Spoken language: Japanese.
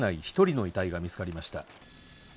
一人の遺体が見つかりました